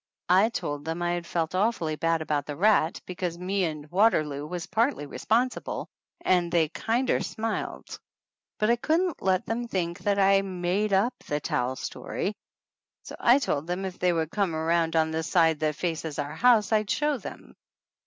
I told them I had felt awfully bad about the rat, because me and Waterloo was partly re sponsible, and they kinder smiled. But I couldn't let them think that I had made up the towel story, so I told them if they would come around on the side that faces our house I'd show them.